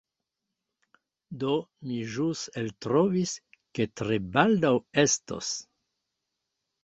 Do mi ĵus eltrovis ke tre baldaŭ estos